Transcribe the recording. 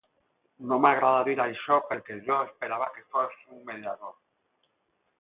No m’agrada dir això perquè jo esperava que fos un mediador.